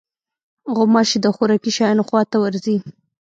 غوماشې د خوراکي شیانو خوا ته ورځي.